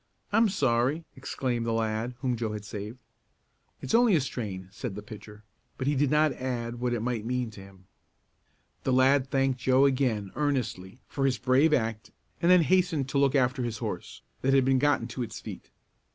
I'm sorry!" exclaimed the lad whom Joe had saved. "It's only a strain," said the pitcher, but he did not add what it might mean to him. The lad thanked Joe again, earnestly, for his brave act and then hastened to look after his horse, that had been gotten to its feet.